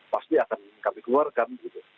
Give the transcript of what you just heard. pasti akan kami keluarkan